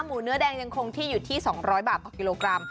เนื้อแดงยังคงที่อยู่ที่๒๐๐บาทต่อกิโลกรัม